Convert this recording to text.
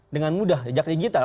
dengan mudah jejak digital